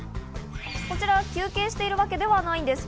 こちら、休憩しているわけではないんです。